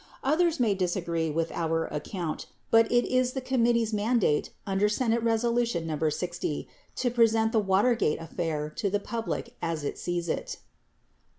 Others may disagree with our account, but it is the committee's mandate under S. Res. 60 to present the Watergate affair to the public as it sees it.